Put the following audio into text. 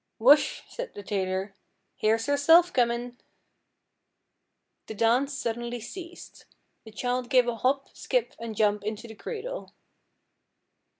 'Whush!' said the tailor, 'here's Herself comin'.' The dance suddenly ceased. The child gave a hop, skip, and jump into the cradle.